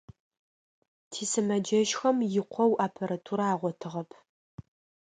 Тисымэджэщхэм икъоу аппаратурэ агъотыгъэп.